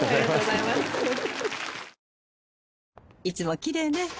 いつもきれいね。